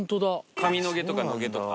上野毛とか野毛とか。